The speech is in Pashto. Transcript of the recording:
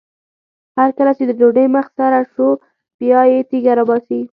هر کله چې د ډوډۍ مخ سره شو بیا یې تیږه راباسي.